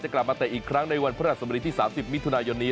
กลับมาเตะอีกครั้งในวันพระราชสมดีที่๓๐มิถุนายนนี้